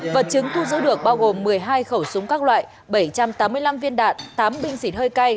vật chứng thu giữ được bao gồm một mươi hai khẩu súng các loại bảy trăm tám mươi năm viên đạn tám bình xịt hơi cay